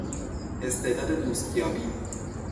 استعداد دوستیابی